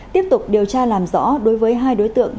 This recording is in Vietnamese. tiếp tục điều tra làm rõ đối với hai đối tượng